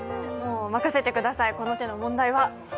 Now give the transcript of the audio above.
任せてください、この手の問題は。